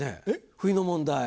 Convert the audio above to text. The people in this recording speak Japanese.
冬の問題